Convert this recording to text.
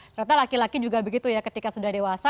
ternyata laki laki juga begitu ya ketika sudah dewasa